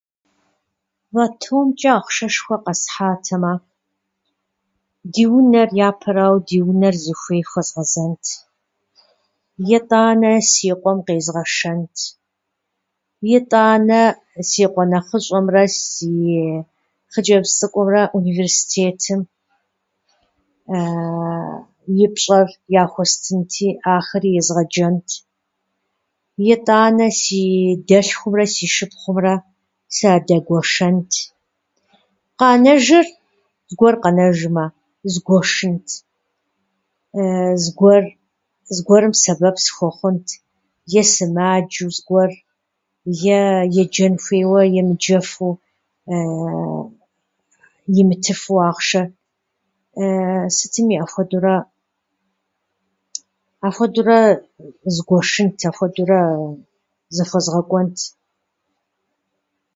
Лотомчӏэ ахъшэшхуэ къэсхьатэмэ, ди унэр- япэрауэ, ди унэр зыхуей хуэзгъэзэнт, итӏанэ си къуэм къезгъэшэнт, итӏанэ си къуэ нэхъыщӏэмрэ си хъыджэбз цӏыкӏумрэ университетым и пщӏэр яхуестынти, ахэри езгъэджэнт. Итӏанэ си дэлъхумрэ си шыпхъумрэ садэгуэшэнт. Къэнэжыр, зыгуэр къэнэжмэ, згуэшынт, зыгуэр- зыгуэрым сэбэп сыхуэхъунт, е сымаджэу зыгуэр, е еджэн хуейуэ емыджэфу, имытыфу ахъшэ. Сытми ахуэдурэ- ахуэдурэ згуэшынт, ахуэдурэ зыхуэзгъэкӏуэнт.